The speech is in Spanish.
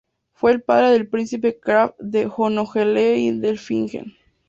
Fue el padre del príncipe Kraft de Hohenlohe-Ingelfingen.